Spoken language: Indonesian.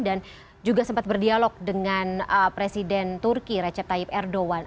dan juga sempat berdialog dengan presiden turki recep tayyip erdogan